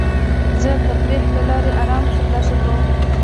زه د تفریح له لارې ارام ترلاسه کوم.